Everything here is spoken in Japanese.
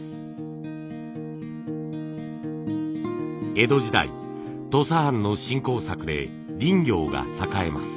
江戸時代土佐藩の振興策で林業が栄えます。